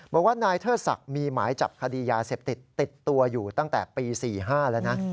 บอกว่านายเทิดศักดิ์มีหมายจับคดียาเสพติดติดตัวอยู่ตั้งแต่ปี๔๕แล้วนะ